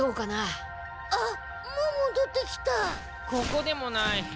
ここでもない。